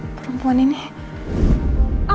masih sudah satu kali bikin temper